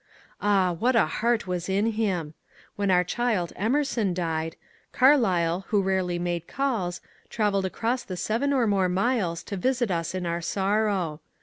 Ah, what a heart was in him I When our child Emerson died, Carlyle, who rarely made calls, travelled across the seven or more miles to visit us in our 'sorrow.